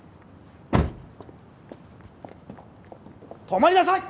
止まりなさい！